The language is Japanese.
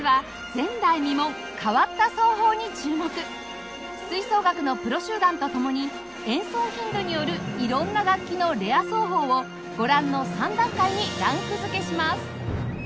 本日は吹奏楽のプロ集団と共に演奏頻度によるいろんな楽器のレア奏法をご覧の３段階にランク付けします